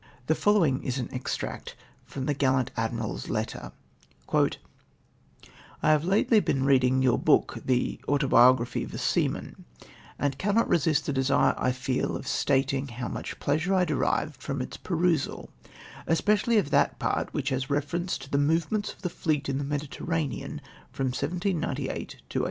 The following is an extract from the gallant Ad miral's letter :— "I liave lately been reading your book, the Autobiography of a Seaman,' and cannot resist the desire I feel of stating how much pleasure I derived from its perusal, especially of that part which has reference to the movements of the fleet in the Mediterranean from 1798 to 1800.